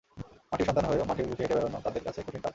মাটির সন্তান হয়েও মাটির বুকে হেঁটে বেড়ানো তাদের কাছে কঠিন কাজ।